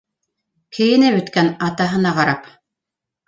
Кейенеп бөткән атаһына ҡарап: